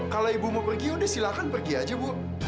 kalau ibu mau pergi yaudah silahkan pergi aja bu